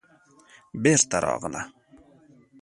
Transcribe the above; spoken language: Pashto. بېرته راغله.